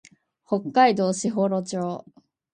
北海道士幌町